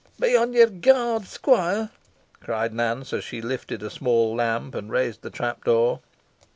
"Be on your guard, squire," cried Nance, as she lifted a small lamp, and raised the trapdoor.